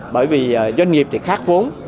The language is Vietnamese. bởi vì doanh nghiệp thì khác vốn